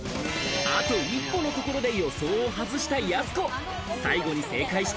あと一歩のところで予想を外したやす子。